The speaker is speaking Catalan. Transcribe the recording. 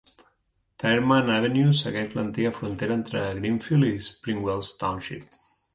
Tireman Avenue segueix l"antiga frontera entre Greenfield i Springwells Township.